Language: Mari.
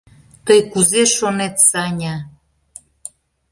Тый кузе шонет, Саня?